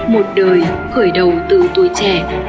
một đời khởi đầu từ tuổi trẻ